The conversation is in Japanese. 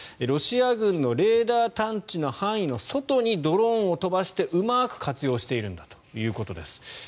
ロシア軍のレーダー探知の範囲の外にドローンを飛ばしてうまく活用しているんだということです。